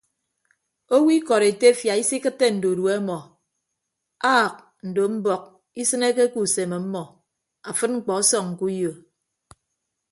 Owo ikọd etefia isikịtte ndudue ọmọ aak ndo mbọk isịneke ke usem ọmmọ afịd mkpọ ọsọñ ke uyo.